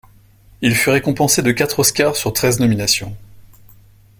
Il fut récompensé de quatre Oscars sur treize nominations.